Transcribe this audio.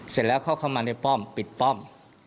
เสร็จแล้วเขาเข้ามาในป้อมปิดป้อม